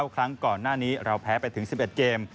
ครั้งก่อนหน้านี้เราแพ้ไปถึง๑๑เกม